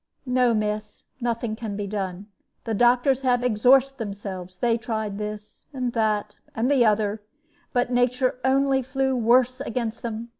"No, miss, nothing can be done. The doctors have exorced themselves. They tried this, that, and the other, but nature only flew worse against them.